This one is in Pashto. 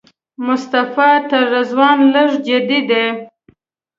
مصطفی تر رضوان لږ جدي دی.